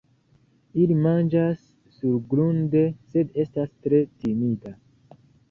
Ili manĝas surgrunde, sed estas tre timida.